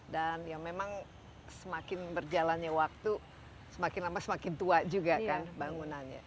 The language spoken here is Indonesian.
dan memang semakin berjalannya waktu semakin lama semakin tua juga bangunannya